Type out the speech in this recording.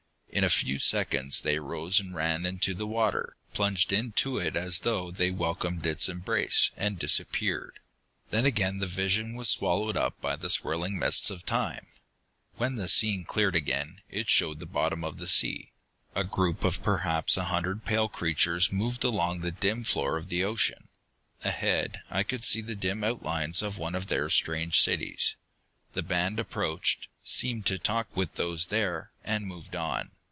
In a few seconds they rose and ran into the water, plunged into it as though they welcomed its embrace, and disappeared. Then again the vision was swallowed up by the swirling mists of time. When the scene cleared again, it showed the bottom of the sea. A group of perhaps a hundred pale creatures moved along the dim floor of the ocean. Ahead I could see the dim outlines of one of their strange cities. The band approached, seemed to talk with those there, and moved on.